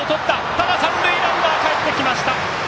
ただ三塁ランナーかえってきました。